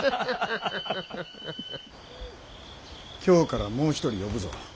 京からもう一人呼ぶぞ。